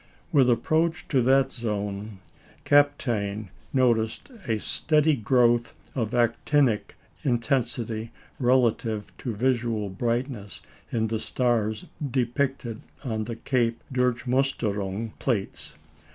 With approach to that zone, Kapteyn noticed a steady growth of actinic intensity relative to visual brightness in the stars depicted on the Cape Durchmusterung plates.